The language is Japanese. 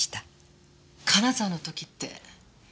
金沢の時って？